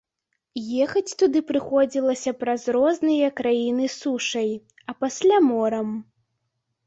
Ехаць туды прыходзілася праз розныя краіны сушай, а пасля морам.